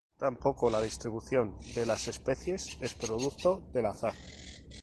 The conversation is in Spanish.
Tampoco la distribución de las especies es producto del azar.